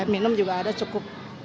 minum juga ada cukup